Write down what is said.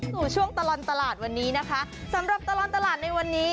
ช่วงตลอดตลาดวันนี้นะคะสำหรับตลอดตลาดในวันนี้